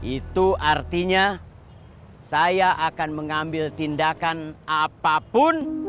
itu artinya saya akan mengambil tindakan apapun